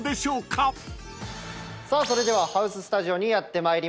それではハウススタジオにやってまいりました。